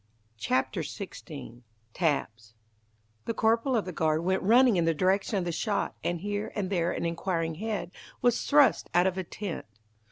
CHAPTER XVI "TAPS" The corporal of the guard went running in the direction of the shot, and here and there an inquiring head, was thrust out of a tent.